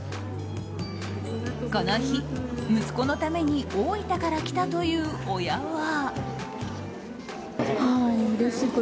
この日、息子のために大分から来たという親は。